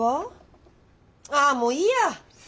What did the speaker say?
ああもういいや！